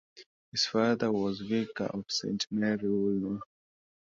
His father was vicar of Saint Mary Woolnoth.